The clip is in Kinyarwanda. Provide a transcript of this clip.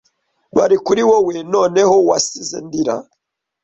bari kuri woweNoneho wansize ndira